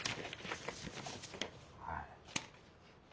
はい。